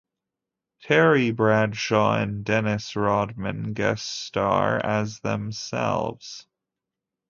Terry Bradshaw and Dennis Rodman guest star as themselves.